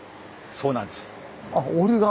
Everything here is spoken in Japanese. そうなんです。